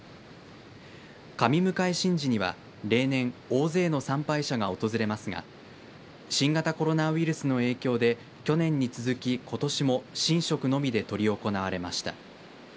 神迎神事には例年多くの参拝者が訪れますが新型コロナウイルスの影響で去年に続きことしも神職のみで執り行われました。